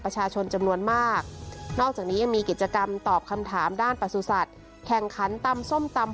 ประชาชนจำนวนมากนอกจากนี้ยังมีกิจกรรมตอบคำถามด้านประสุทธิ์แข่งขันตำส้มตำ